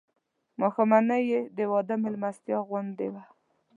ماښامنۍ یې د واده مېلمستیا غوندې وه.